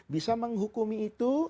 bisa menghukumi itu